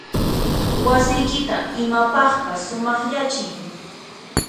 Wasiykita imapaqpas sumaqyachiy.